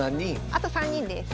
あと３人です。